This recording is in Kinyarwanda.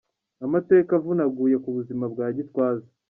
Amateka avunaguye ku buzima bwa Gitwaza .